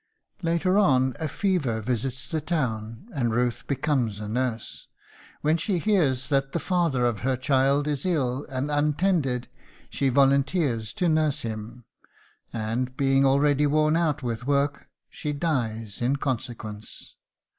Later on, a fever visits the town, and Ruth becomes a nurse. When she hears that the father of her child is ill and untended she volunteers to nurse him, and, being already worn out with work, she dies in consequence.